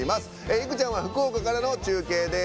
いくちゃんは福岡からの中継です。